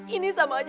ini sama aja